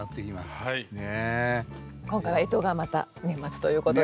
今回は干支がまた年末ということで。